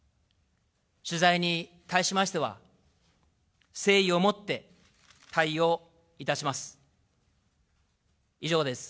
取材に対しましては、誠意をもって対応いたします。